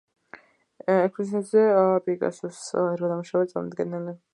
ექსპოზიციაზე პიკასოს რვა ნამუშევარია წარმოდგენილი.